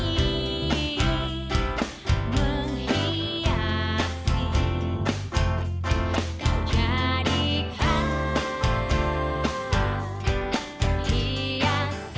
iya yaudah gue duluan ya